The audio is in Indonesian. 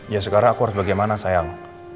ya sekarang aku harus bagaimana sayang